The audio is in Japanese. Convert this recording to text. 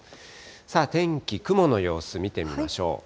天気、雲の様子、見てみましょう。